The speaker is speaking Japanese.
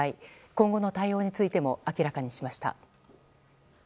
今後の対応についても明らかにしました。